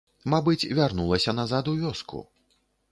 Мабыць, вярнулася назад у вёску.